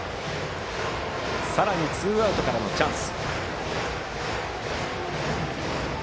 さらにツーアウトからのチャンス。